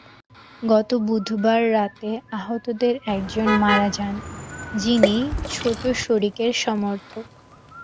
গত বুধবার রাতে আহতদের একজন মারা যান, যিনি ছোট শরিকের সমর্থক।